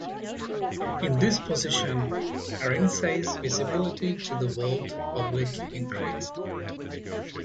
In this position, Arinze's visibility to the world public increased.